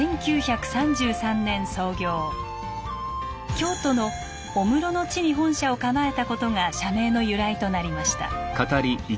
京都の御室の地に本社を構えたことが社名の由来となりました。